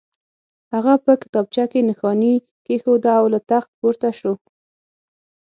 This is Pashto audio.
هغه په کتابچه کې نښاني کېښوده او له تخت پورته شو